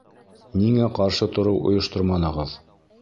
— Ниңә ҡаршы тороу ойошторманығыҙ?